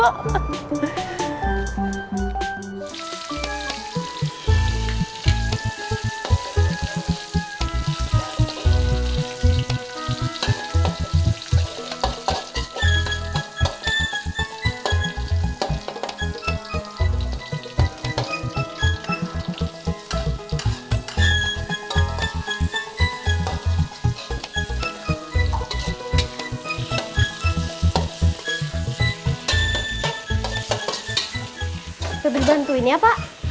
kita dibantuin ya pak